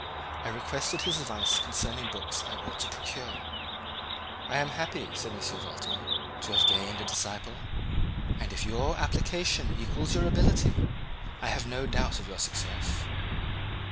I requested his advice concerning the books I ought to procure. "I am happy," said M. Waldman, "to have gained a disciple; and if your application equals your ability, I have no doubt of your success.